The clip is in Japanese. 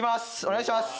お願いします。